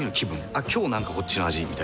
「あっ今日なんかこっちの味」みたいな。